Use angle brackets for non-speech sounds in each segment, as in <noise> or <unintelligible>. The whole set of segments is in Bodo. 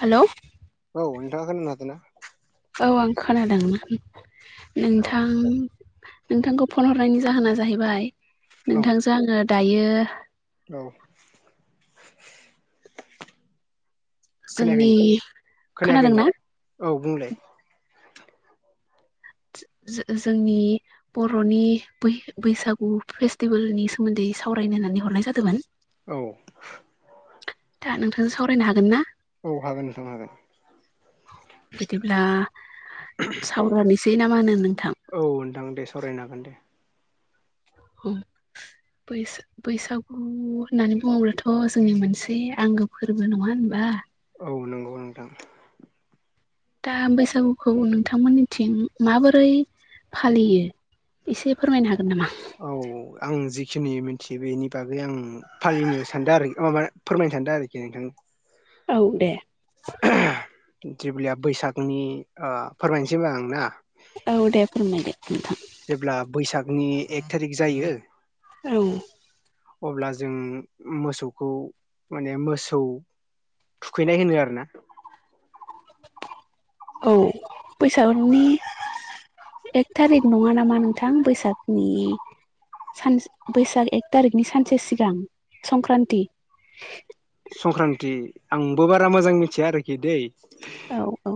हेल'। औ नोंथांडा खोनानो हादों ना औ आं खोनादों नों अ नोंथां नोंथांखौ फन हरनायनि जाहोना जाहैबाय औ नोंथांजों आङो दायो औ खोनायाखै जोंनि खोनायाखै खोनादोंना नोंथां औ बुंलाय जो जोंनि बर'नि बैसागु फेस्टिभेलनि सोमोन्दै सावरायनो होननानै हरनाय जादोंमोन औ दा नोंथांजों सावरायनो हागोन ना औ हागोन नोंथां हागोन औ बिदिब्ला सावरायनोसै ना मा होनो नोंथां औ नोंथां दे सरायनो हागोन दे औ बैसा बैसागु होननानै बुङोब्लाथ' जोंनि मोनसे आंगो फोरबो नङा होनबा औ नंगौ नोंथां दा बैसागुखौ नोंथांमोननिथिं माबोरै फालियो एसे फोरमायनो हागोन नामा औ आं जिखिनि मिथियो बेनि बागै आं फालिनो सानदों आरो माबा फोरमायनो सानदों आरोखि नों औ दे ज्रिबिया बैसागनि ओ फोरमायनोसै आं ना औ दे बुंलाय नोंथां जेब्ला बैसागनि एक थारिक जायो औ अब्ला जों मोसौखौ माने मोसौ थुखैनाय होनो आरो ना औ बैसागोनि एक थारिक नङा नामा नोंथां बैसागनि सान बैसाग एक तारिकनि सानसे सिगां संक्रान्ति संक्रान्ति आंबो बारा मोजां मिथिया आरोखि दै औ औ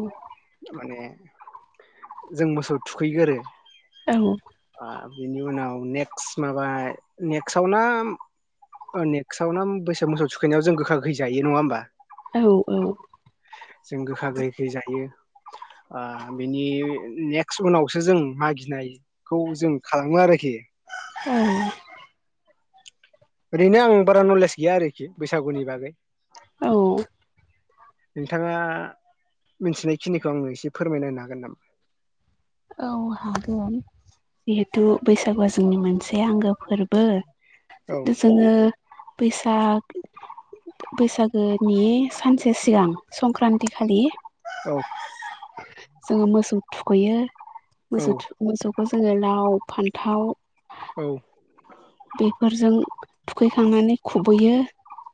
माने जों मोसौ थुखैगोरो औ आ बिनि उनाव नेक्स्ट माबा नेक्स्टाव ना ओ नेक्स्टआव ना बैसाग मोसौ थुखैनायाव जों गोखा गोखै जायो नङा होमबा औ औ जों गोखा गोैखै जायो ओ बिनि नेक्स्ट उनावसो जों मागिनाय खौ जों खालामो आरोखि औ ओरैनो आं बारा नलेज गैया आरोखि बैसागुनि बागै औ नोंथाङा मिथिनायखिनिखौ आंनो एसे फोरमायना होनो हागोन नामा औ हागोन जिहेथु बैसागुआ जोंनि मोनसे आंगो फोरबो जितु जोङो बैसाग बैसागोनि सानसे सिगां संक्रान्ति खालि औ जों मोसौ थुखैयो औ मोसौ थु मोसौखौ जोङो लाव फान्थाव औ बेफोरजों थुखैखांनानै खुबैयो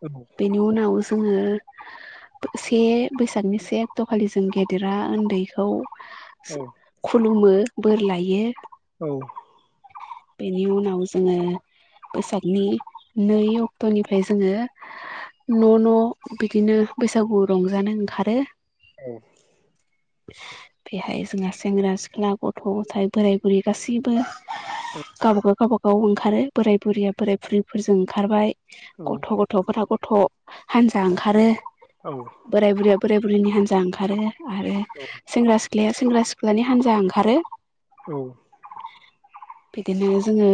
औ बेनि उनाव जोङो से बैसागनि से अक्ट'खालि जों गेदेरा उन्दैखौ औ खुलुमो बोर लायो औ बेनि उनाव जोङो बैसागनि नै अक्ट'निफ्राय जोङो न' न' बिदिनो बैसागु रंजानो ओंखारो औ बेहाय जोंहा सेंग्रा सिख्ला गथ' गथाय बोराय बुरि गासैबो गावबागाव गावबाागाव ओंखारो बोराय बुरिया बोराय बुरिफोरजों ओंखारबाय गथ' गथ'फोरा गथ' हानजा ओंखारो औ बोराय बुरैया बोराय बुरिनि हान्जा ओंखारो आरो सेंग्रा सिख्ला सिख्लाया सेंग्रा सिख्लानि हानजा ओंखारो औ बिदिनो जोङो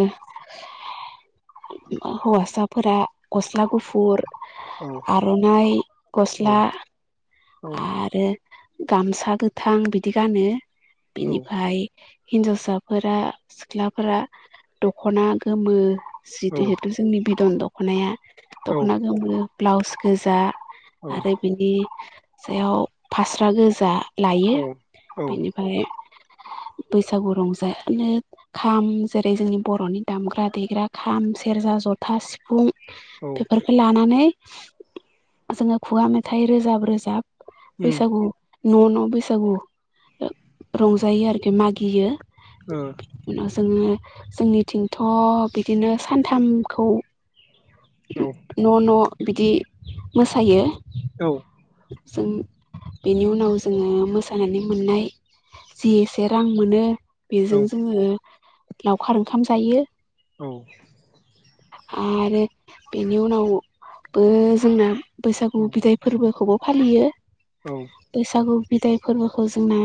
हौवासाफोरा गस्ला गुफुर आर'नाइ गस्ला आरो गामसा गोथां बिदि गानो बिनिफ्राय हिनजावसाफोरा सिख्लाफोरा दख'ना गोमो औ जिथु जोंनि बिदन दख'नाया औ दख'ना गोमो ब्लाउस गोजा औ आरो बिनि सायाव फास्रा गोजा लायो औ औ बेनि फ्राय बैसागु रंजानो खाम जेरै जोंनि बर'नि दामग्रा देग्रा खाम सेरजा जथा सिफुं औ बेफोरखौ लानानै जोङो खुगा मेथाइ रोजाब रोजाब उम बैसागु न' न' बैसागु रंजायो आरोखि मागियो ओ उनाव जोङो जोंनिथिंथ' बिदिनो सानथामखौ औ न' न' बिदि मोसायो औ जों बेनि उनाव जोङो मोसानानै मोननाय जि एसे रां मोनो औ बेजों जोङो लावखार ओंखाम जायो औ आरो बेनि उनावबो जोंना औ बैसागु बिदाय फोरबोखौबो फालियो औ बैसागु बिदाय फोरबोखौ जोंना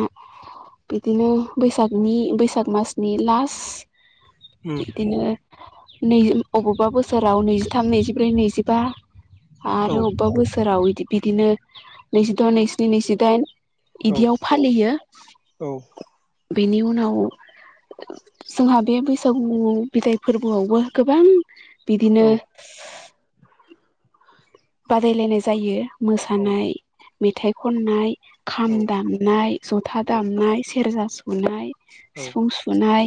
बिदिनो बैसागनि बैसाग मासनि लास्ट उम बिदिनो नै अबेावबा बोसोराव नैजिथाम नैजिब्रै नैजिबा औ आरो अबेबा बोसोरावदि बिदिनो नैजिद' नैजिन्सि नैजिदाइन औ इदियाव फालियो बेनि उनाव जोंहा बे बैसा <unintelligible> बिदाय फोरबोआवबो गोबां औ बिदिनो बादायलायनाय जायो मोसानाय मेथाइ खननाय खाम दामनाय जथा दामनाय सेरजा सुनाय सिफुं सुनाय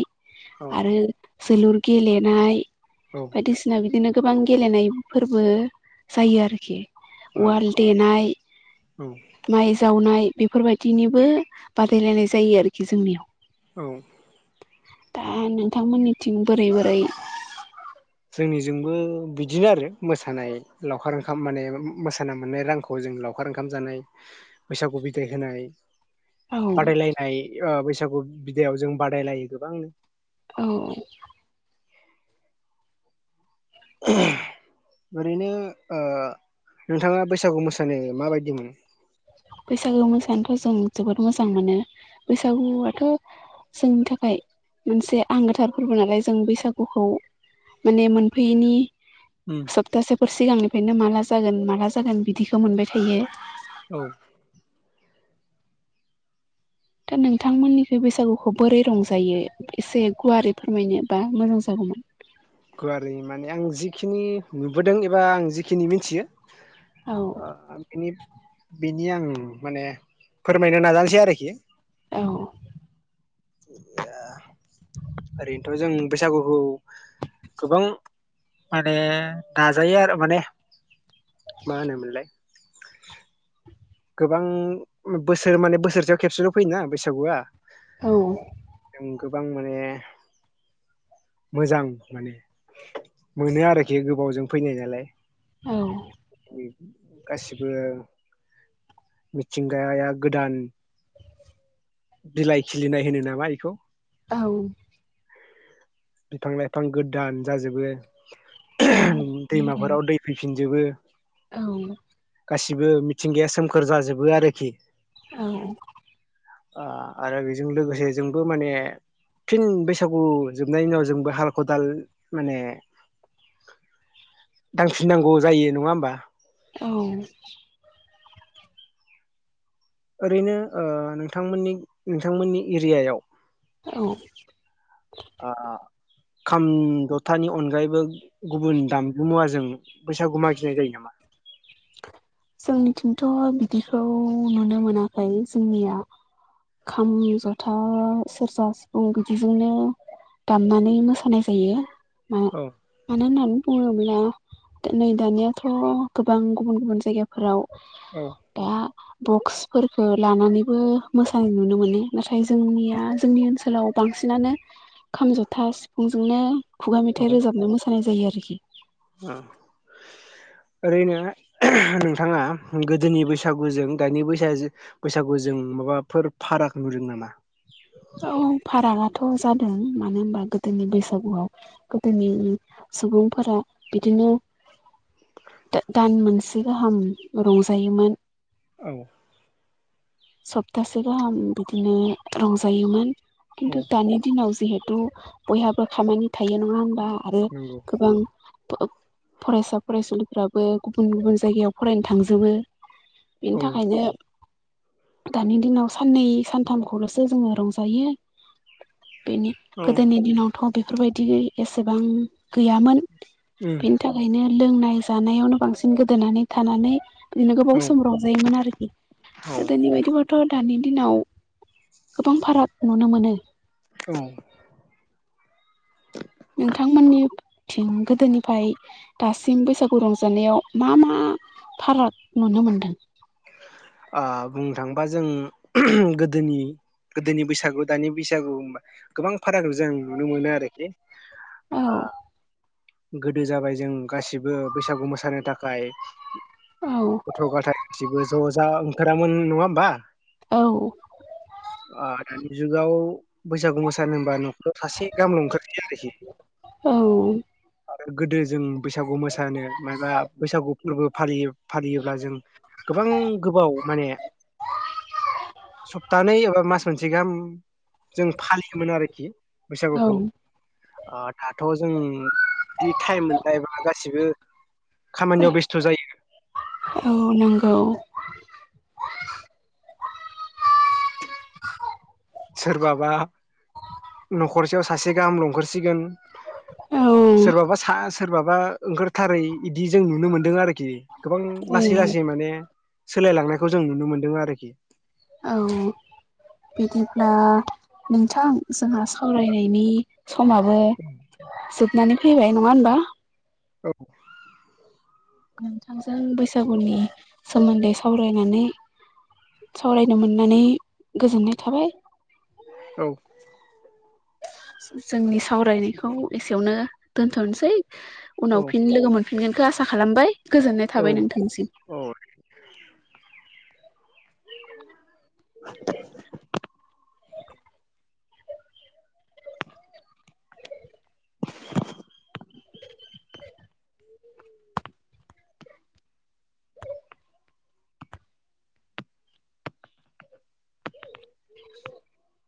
आरो जोलुर गेलेनाय औ बायदिसिना बिदिनो गोबां गेलेनाय फोरबो जायो आरोखि आ औ उवाल देनाय माइ जावनाय बेफोरबायदिनिबो बादायलायनाय जायो आरोखि जोंनियाव औ दा नोंथांमोननिथिं बोरै बोरै जोंनिजोंबो बिदिनो आरो मोसानाय लावखार ओंखाम माने मोसानाय मोननाय रांखौ जों लावखार ओंखाम जानाय बैसागु बिदाय होनाय औ बादायलायनाय ओ बैसागु बिदायाव जों बादायलायो गोबांनो औ ओरैनो नोंथाङा बैसागु मोसानो माबायदिमोन? बैसागु मोसानोथ' जों जोबोद मोजां मोनो बैसागुआथ' जोंनि थाखाय मोनसे आंगोथार फोरबो नालाय जों बैसागुखौ माने मोनफैयैनि उम सप्तासेफोर सिगांनिफ्रायनो माला जागोन माला जागोन बिदिखौ मोनबाय थायो। औ दा नोंथांमोननिख बैसागुखौ बोरै रंजायो? एसे गुवारै फोरमायनोबा मोजां जागौमोन। गुवारै माने आं जिखिनि नुबोदों एबा आं जिखिनि मिथियो औ बिनि बिनि आं माने फोरमायनो नाजानोसै आरोखि। औ ओरैनोथ' जों बैसागुखौ गोबां माने दाजायो आरो माने मा होनोमोनलाय? गोबां बोसोर माने बोसोरसेयाव खेबसेल' फैयोना बैसागुआ। औ जों गोबां माने मोजां माने। मोनो आरोखि गोबावजों फैनाय नालाय। गासिबो मिथिंगाया गोदान बिलाइ खिलिनाय होनो नामा बेखौ? औ बिफां लाइफां गोदान जाजोबो औ नंगौ दैमाफोराव दै फैफिनजोबो। औ गासिबो मिथिंगाया सोमखोर जाजोबो आरोखि। औ आरो बेजों लोगोसे जोंबो माने फिन बैसागु जोबनायनि उनाव जोंबो हाल खदाल माने दांफिननांगौ जायो नङा होमबा? औ ओरैनो ओ नोंथांमोननि नोंथांमोननि एरियायाव औ ओखाम जथानि अनगायैबो गुबुन दामगु मुवाजों बैसागुुमा गिनाय जायो नामा? जोंनिथिंथ' बिदिखौ नुनो मोनाखै जोंनिया खाम जथा सेरजा सिफुं बिदिजोंनो दामनानै मोसानाय जायो। मानो औ होननानै बुङोब्ला नै दानियाथ' गोबां गुबुन गुबुन जायगायाव फोराव औ दा बक्सफोरफोरखौ लानानैबो मोसानाय नुनो मोनो नाथाय जोंनिया जोंनि ओनसोलाव बांसिनानो खाम जथा सिफुंजोंनो खुगा मेथाइ रोजाबनो मोसानाय जायो आरोखि। अ ओरैनो नोंथाङा गोदोनि बैसागुजों दानिनि बैसा बैसागु जों माबाफोर फारागखौ नुदों नामा? औ फारागाथ' जादों मानो होनबा गोदोनि बैसागुआव गोदोनि सुबुंफोरा बिदिनो दान मोनसे गाहाम रंजायोमोन। औ। सप्तासे गाहाम बिदिनो रंजायोमोन खिन्थु औ दानि दिनाव जिहेथु बयहाबो खामानि थायो नङा होनबा आरो नंगौ गोबां फरायसा फरायसुलिफोराबो गुबुन गुबुन जायगायाव फरायनो थांजोबो बेनि औ थाखायनो दानि दिनाव साननै सानथामखौल'सो जोङो रंजायो बेनि औ गोदोनि दिनावथ' बेफोरबायदि एसेबां गैयामोन उम बिनि थाखायनो लोंनाय जानायावनो बांसिन गोदोनानै थानानै बिदिनो औ गोबाव समफ्राव आरोखि औ गोदोनि बाय बिथिबथ' दानि दिनाव गोबां फाराग नुनो मोनो। औ। नोंथांमोननिथिं गोदोनिफाय दासिम बैसागु रंजानायाव मा मा फाराग नुनो मोनदों। आ बुंनो थाङोबा जों गोदोनि गोदोनि बैसागु दानि बैसागु होनबा गोबां भारागखौ जों नुनो मोनो आरोखि औ गोदो जाबाय जों गासिबो बैसागु मोसानो थाखाय औ गथ' गथाय गासिबो ज'जा ओंखारामोन नङा होमबा? औ। दानि जुगाव बैसागु मोसानो होनबा न'खराव सासे गामला ओंखार औ। आरो गोदो जों बैसागु मोसानो माबा बैसागु फोरबो फालियो फालियोब्ला जों गोबां गोबाव माने सप्तानै एबा मास मोनसे गाहाम जों फालियोमोन आरोखि औ बैसागुखौ दाथ' जों बिदि टाइम मोनबायबा गासिबो खामानियाव बेस्थ' जायो। औ नंगौ। सोरबाबा न'खरसेयाव सासे गाहाम लेहोरसिगोन। औ सोरबाबा सा सोरबाबा ओंखारथारै बिदि जों नुनो मोनदों आरोखि गोबां औ लासै लासै माने सोलायलांनायखौ जों नुनो मोनदों आरोखि औ बिदिब्ला नोंथां जोंहा सावरायनायनि समाबो जोबनानै फैबाय नङा होमबा? औ। नोंथांजों बैसागुनि सोमोन्दै सावरायनानै सावरायनो मोननानै गोजोननाय थाबाय औ। जोंनि सावरायनायखौ एसेयावनो दोनथ'नोसै उनाव औ फिन लोगो मोन फिनगोनखौ आसा खालामबाय गोजोननाय औ थाबाय नोंथांसिम। औ <inaudible> <inaudible>